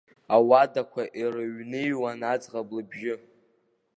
Ауадақәа ирыҩныҩуан аӡӷаб лыбжьы.